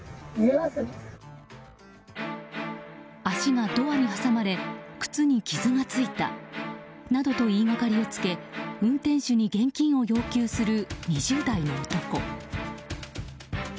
足がドアに挟まれ靴に傷がついたなどと言いがかりをつけ運転手に現金を要求する２０代の男。